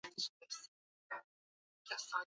wanasiasa hawakueshimia sheria yassin